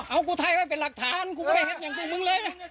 เอากูไทยไว้เป็นหลักฐานกูก็ไม่เห็นอย่างกูมึงเลย